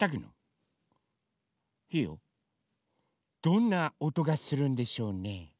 どんなおとがするんでしょうね？